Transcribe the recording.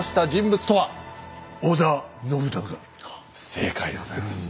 正解でございます。